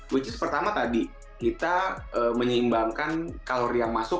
which is pertama tadi kita menyeimbangkan kalori yang masuk